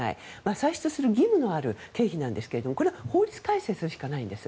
歳出する義務のある経費なんですがこれは法律改正するしかないんです。